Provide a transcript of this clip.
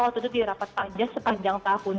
waktu itu di rapat pajak sepanjang tahun